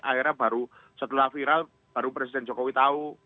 akhirnya baru setelah viral baru presiden jokowi tahu